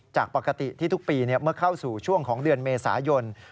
จากปกติที่ทุกปีเมื่อเข้าสู่ช่วงของเดือนเมษายน